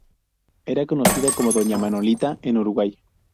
Era conocida como "Doña Manolita" en Uruguay.